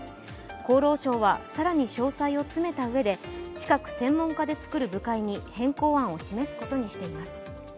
厚労省は更に詳細を詰めたうえで近く専門家で作る部会に変更案を示すことにしています。